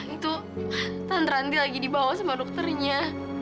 itu tan ranti lagi dibawa sama dokternya